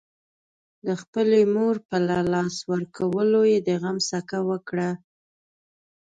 د خپلې مور په له لاسه ورکولو يې د غم څکه وکړه.